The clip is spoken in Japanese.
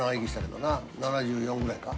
７４ぐらいか。